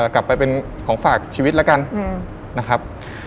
กลับไปเป็นของฝากชีวิตแล้วกันนะครับ